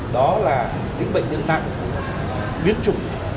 đó là những bệnh nhân nặng biến chủng